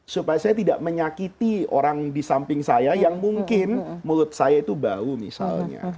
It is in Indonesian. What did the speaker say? supaya saya tidak menyakiti orang di samping saya yang mungkin mulut saya itu bau misalnya